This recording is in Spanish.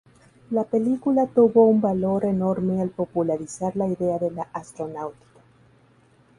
La película tuvo un valor enorme al popularizar la idea de la astronáutica.